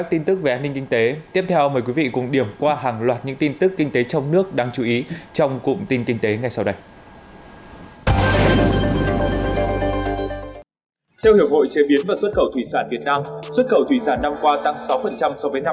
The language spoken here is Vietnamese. theo hiệp hội chế biến và xuất khẩu thủy sản việt nam xuất khẩu thủy sản năm qua tăng sáu phần trăm